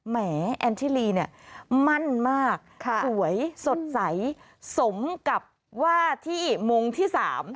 แหมแอนชิลีเนี่ยมั่นมากสวยสดใสสมกับว่าที่มงที่๓